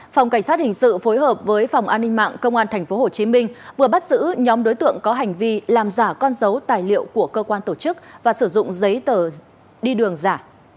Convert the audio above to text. phòng cảnh sát hình sự phối hợp với phòng an ninh mạng công an tp hcm vừa bắt giữ nhóm đối tượng có hành vi làm giả con dấu tài liệu của cơ quan tổ chức và sử dụng giấy tờ đi đường giả